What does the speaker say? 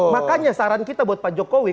makanya saran kita buat pak jokowi